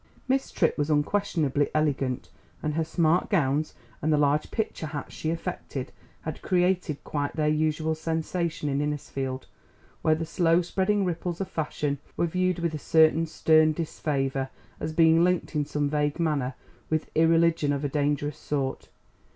Miss Tripp was unquestionably elegant, and her smart gowns and the large picture hats she affected had created quite their usual sensation in Innisfield, where the slow spreading ripples of fashion were viewed with a certain stern disfavour as being linked in some vague manner with irreligion of a dangerous sort.